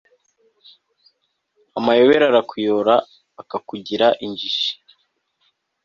amayobera arakuyora akakugira injiji